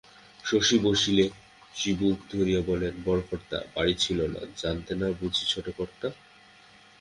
শশী বসিলে চিবুক ধরিয়া বলেন, বড়কর্তা বাড়ি ছিল না জানতে না বুঝি ছোটকর্তা?